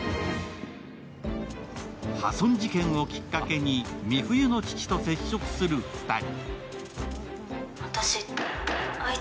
破損事件をきっかけに、美冬の父と接触する２人。